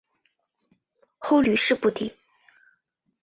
后屡试不第。